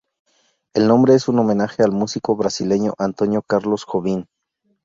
El nombre es un homenaje al músico brasileño Antonio Carlos Jobim.